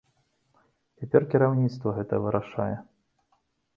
Цяпер кіраўніцтва гэта вырашае.